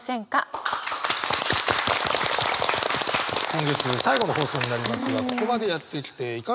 今月最後の放送になりますがここまでやってきていかがでしょうか？